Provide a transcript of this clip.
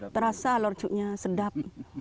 terasa lorjuknya sedap